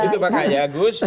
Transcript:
itu pak kaya agus